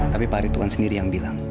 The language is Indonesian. tapi pak rituan sendiri yang bilang